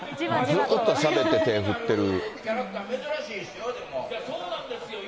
ずっとしゃべって、手振ってる。